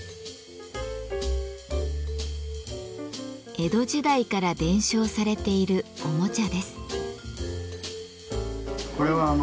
江戸時代から伝承されているおもちゃです。